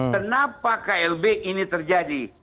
kenapa klb ini terjadi